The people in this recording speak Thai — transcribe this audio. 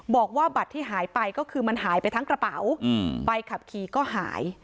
บอกว่าบัตรที่หายไปก็คือมันหายไปทั้งกระเป๋าใบขับขี่ก็หาย